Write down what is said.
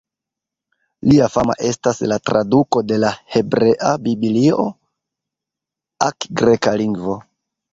Lia fama estas la traduko de la Hebrea Biblio ak greka lingvo.